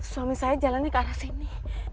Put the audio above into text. suami saya jalannya ke arah sini